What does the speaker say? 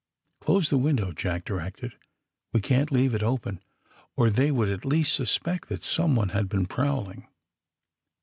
*^ Close the window,'' Jack directed. We can^t leave it open, or they would at least sus pect that someone had been prowling."